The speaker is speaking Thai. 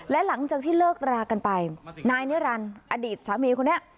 และหลังจากที่เลิกรากันไปนายนิรันดิ์อดีตสามีคนนี้